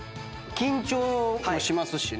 緊張もしますしね。